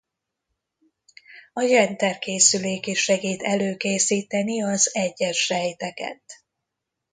A Jenter-készülék is segít előkészíteni az egyes sejteket.